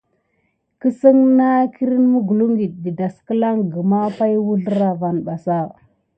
Kesine nà kirine mukulikine de dade nayany sika mis angula pan ama.